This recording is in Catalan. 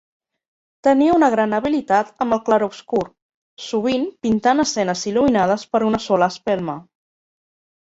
Tenia una gran habilitat amb el "clarobscur", sovint pintant escenes il·luminades per una sola espelma.